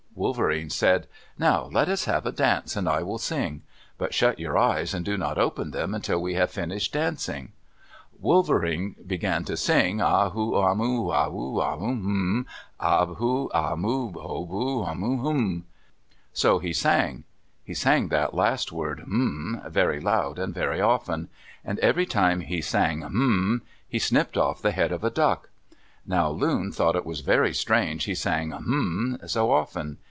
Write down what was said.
Wolverene said, "Now let us have a dance and I will sing. But shut your eyes and do not open them until we have finished dancing." Wolverene began to sing, A ho u mu hou mur mur hum A ho u mu hou mur mur hum. So he sang. He sang that last word hum very loud and very often. And every time he sang hum he snipped off the head of a duck. Now Loon thought it very strange he sang hum so often.